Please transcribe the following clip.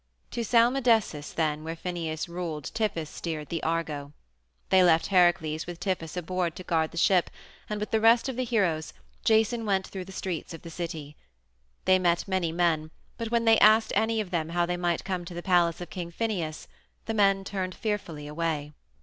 To Salmydessus, then, where Phineus ruled, Tiphys steered the Argo. They left Heracles with Tiphys aboard to guard the ship, and, with the rest of the heroes, Jason went through the streets of the city. They met many men, but when they asked any of them how they might come to the palace of King Phineus the men turned fearfully away.